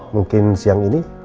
mungkin siang ini